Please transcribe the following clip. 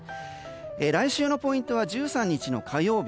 来週のポイントは１３日の火曜日。